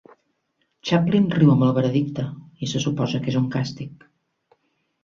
Chaplin riu amb el veredicte i se suposa que és un càstig.